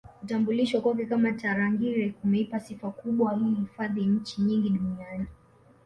Kutambulishwa kwake kama Tarangire kumeipa sifa kubwa hii hifadhi nchi nyingi Duniani